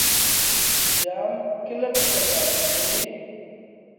جآم ڪيٚلت پيدآ ٿئي ديٚ۔